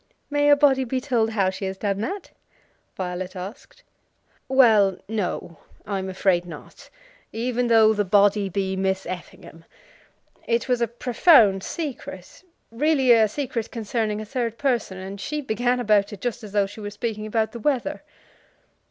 "May a body be told how she has done that?" Violet asked. "Well, no; I'm afraid not, even though the body be Miss Effingham. It was a profound secret; really a secret concerning a third person, and she began about it just as though she were speaking about the weather!"